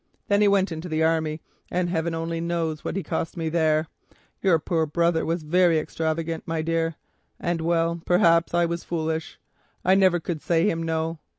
Then he went into the army, and heaven only knows what he spent there. Your brother was very extravagant, my dear, and well, perhaps I was foolish; I never could say him no.